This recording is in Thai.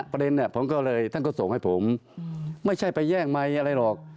ประเด็นเนี่ยผมก็เลยท่านก็ส่งให้ผมไม่ใช่ไปแย่งไมค์อะไรหรอก